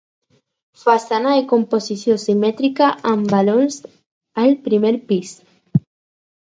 Façana de composició simètrica amb balcons al primer pis.